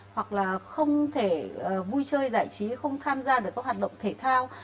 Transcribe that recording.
hoặc là không thể vui chơi giải trí không tham gia được các hoạt động thể thao